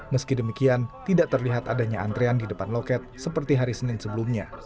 meski demikian tidak terlihat adanya antrean di depan loket seperti hari senin sebelumnya